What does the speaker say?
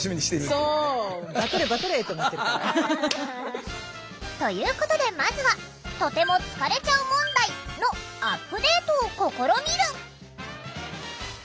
そう。ということでまずは「とても疲れちゃう問題」のアップデートを試みる！